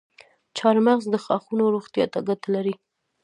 چارمغز د غاښونو روغتیا ته ګټه لري.